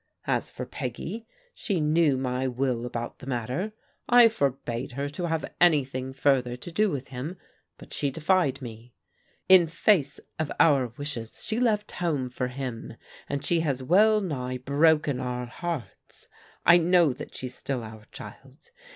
As for Peggy, she knew my will about the matter. I forbade her to have anything further to do with him, but she defied me. In face of our wishes she left home for him, and she has well nigh broken our hearts. I know that she's still our child.